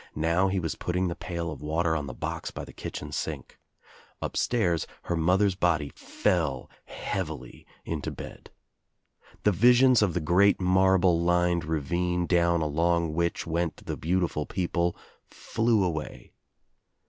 Now he was putting the pail of water on the box by the kitchen sink. Upstairs her mother's body fell heavily into bed. The visions of ^^ the great marble lined ravine down along which went ^Mthe beautiful people flew away.